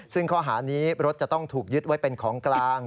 ซึ่งข้อหานี้รถจะต้องถูกยึดไว้เป็นของกลาง